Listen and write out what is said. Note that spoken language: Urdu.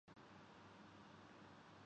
ماتحت عدالتیں کس خوف کا شکار تھیں؟